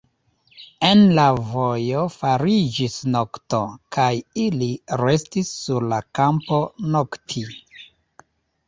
En la vojo fariĝis nokto, kaj ili restis sur la kampo nokti.